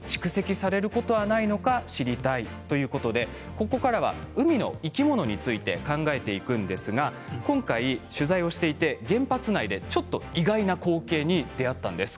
ここからは海の生き物について考えていくんですが今回、取材していて原発内で意外な光景に出会いました。